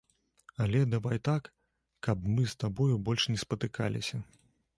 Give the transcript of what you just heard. Але давай так, каб мы з табою больш не спатыкаліся.